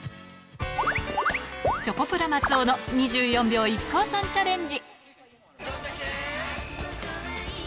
チョコプラ・松尾の２４秒ＩＫＫＯさんチャレンジ。